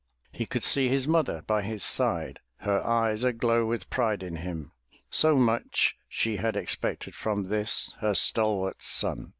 He could see his mother by his side, her eyes aglow with pride in him, — so much she had expected from this, her stalwart son.